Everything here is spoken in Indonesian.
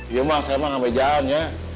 iya mbak saya emang ngampe jalan ya